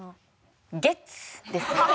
ゲッツ！！ですね。